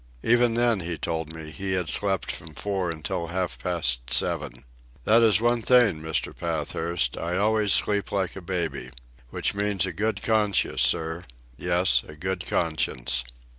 Even then, he told me, he had slept from four until half past seven. "That is one thing, Mr. Pathurst, I always sleep like a baby ... which means a good conscience, sir, yes, a good conscience."